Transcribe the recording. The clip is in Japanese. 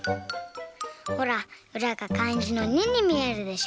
ほらうらがかんじの「二」にみえるでしょ。